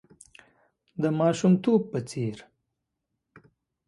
د ماشومتوب په څېر .